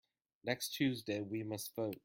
Next Tuesday we must vote.